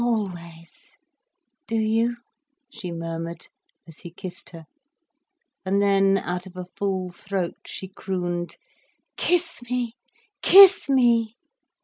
"Always! Do you?" she murmured, as he kissed her. And then, out of a full throat, she crooned "Kiss me! Kiss me!"